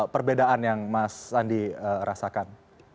perbedaan yang mas andi rasakan